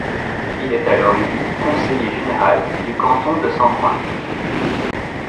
Il est alors élu conseiller général du canton de Sancoins.